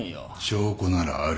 証拠ならある。